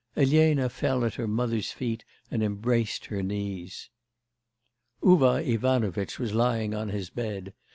Elena fell at her mother's feet and embraced her knees. Uvar Ivanovitch was lying on his bed.